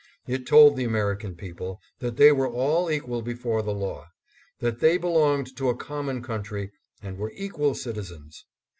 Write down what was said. It told the American people that they were all equal before the law; that they belonged to a common country and were equal citizens.